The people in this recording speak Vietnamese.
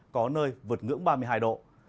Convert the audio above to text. có nơi vượt ngưỡng ba mươi hai độ